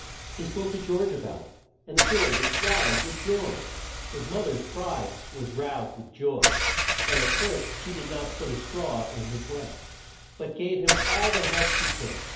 He spoke to George a bout it, and the boy was wild with joy. His mo ther's pride was roused, and at first she did not put a straw in his way, but gave him all the help she could.